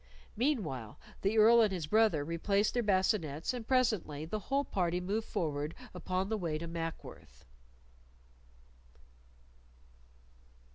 Meanwhile the Earl and his brother replaced their bascinets, and presently the whole party moved forward upon the way to Mackworth.